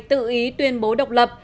tự ý tuyên bố độc lập